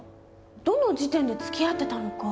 どの時点で付き合ってたのか